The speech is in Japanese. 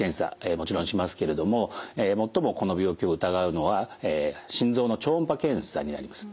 もちろんしますけれども最もこの病気を疑うのは心臓の超音波検査になります。